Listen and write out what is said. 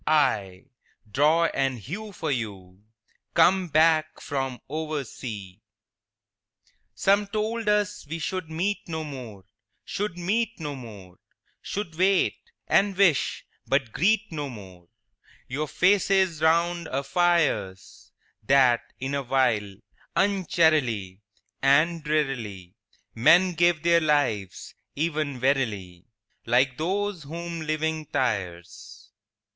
—aye, draw and hew for you, Come back from oversea." III Some told us we should meet no more, Should meet no more; Should wait, and wish, but greet no more Your faces round our fires; That, in a while, uncharily And drearily Men gave their lives—even wearily, Like those whom living tires.